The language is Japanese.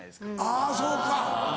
あぁそうか。